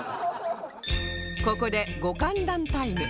ここでご歓談タイム